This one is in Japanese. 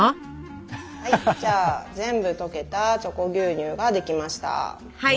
はい全部とけた「チョコ牛乳」ができました。